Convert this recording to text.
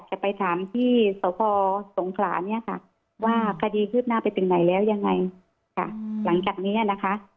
ไหนแล้วยังไงค่ะหลังจากนี้นะคะ